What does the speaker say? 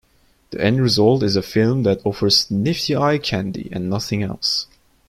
The end result is a film that offers nifty eye-candy and nothing else.